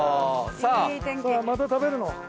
さあまた食べるの？